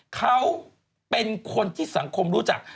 เขาเป็นคนที่สังคมรู้จัก